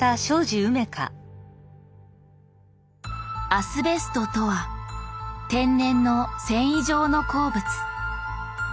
アスベストとは天然の繊維状の鉱物。